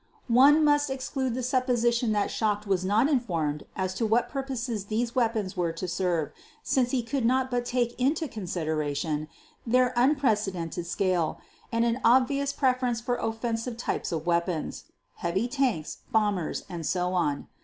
One must exclude the supposition that Schacht was not informed as to what purposes these weapons were to serve since he could not but take into consideration their unprecedented scale and an obvious preference for offensive types of weapons (heavy tanks, bombers, and so on).